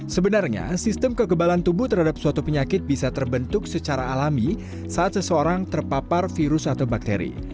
sebenarnya sistem kekebalan tubuh terhadap suatu penyakit bisa terbentuk secara alami saat seseorang terpapar virus atau bakteri